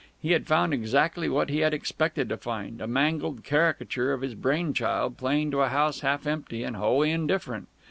He had found exactly what he had expected to find, a mangled caricature of his brain child playing to a house half empty and wholly indifferent.